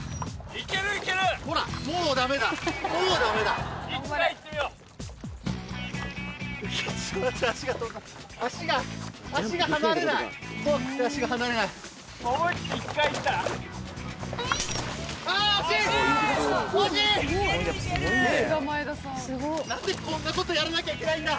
・いけるいける・何でこんなことやらなきゃいけないんだ。